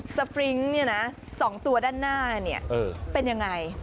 สปริงเนี่ยนะ๒ตัวด้านหน้าเนี่ยเป็นยังไง